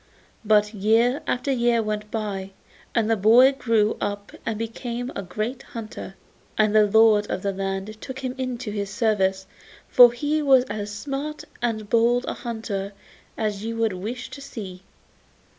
But year after year went by, and the boy grew up and became a great hunter, and the lord of the land took him into his service, for he was as smart and bold a hunter as you would wish to see.